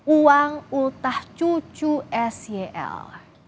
uang utah cucu sel